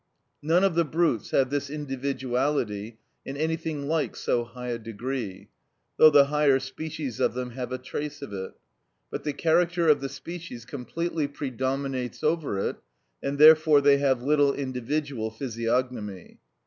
None of the brutes have this individuality in anything like so high a degree, though the higher species of them have a trace of it; but the character of the species completely predominates over it, and therefore they have little individual physiognomy.